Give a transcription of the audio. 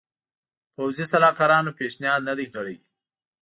پوځي سلاکارانو پېشنهاد نه دی کړی.